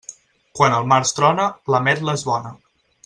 Quan al març trona, l'ametla és bona.